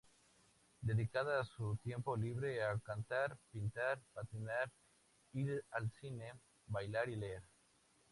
Dedica su tiempo libre a cantar, pintar, patinar, ir al cine bailar y leer.